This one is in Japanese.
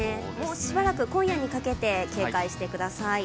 もうしばらく今夜にかけて警戒してください。